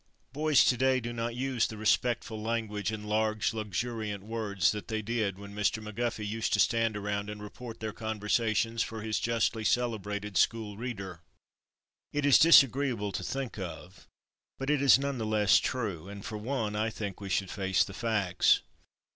Boys to day do not use the respectful language and large, luxuriant words that they did when Mr. McGuffey used to stand around and report their conversations for his justly celebrated school reader. It is disagreeable to think of, but it is none the less true, and for one I think we should face the facts.